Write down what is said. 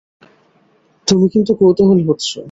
তুমি কিন্তু কৌতূহল হচ্ছো।